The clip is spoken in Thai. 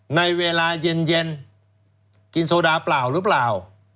ในเวลาเย็นกินโซดาเปล่าหรือเปล่า